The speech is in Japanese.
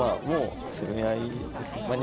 もう攻め合いですね。